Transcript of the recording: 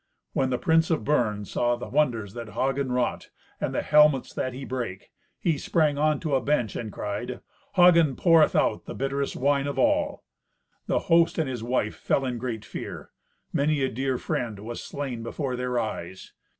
When the Prince of Bern saw the wonders that Hagen wrought, and the helmets that he brake, he sprang on to a bench, and cried, "Hagen poureth out the bitterest wine of all." The host and his wife fell in great fear. Many a dear friend was slain before their eyes.